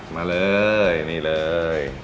มาเลยนี่เลย